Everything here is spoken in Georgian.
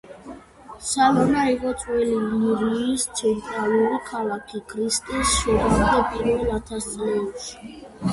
სალონა იყო ძველი ილირიის ცენტრალური ქალაქი ქრისტეს შობამდე პირველ ათასწლეულში.